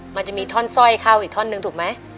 มันจะมีท่อนสร้อยเข้าอีกท่อนหนึ่งถูกไหม